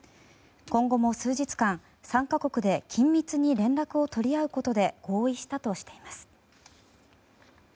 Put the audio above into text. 今後も数日間３か国で緊密に連絡を取り合うことで合意したとしています。